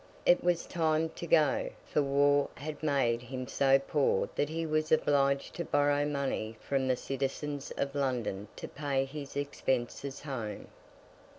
It was time to go; for war had made him so poor that he was obliged to borrow money from the citizens of London to pay his expenses home.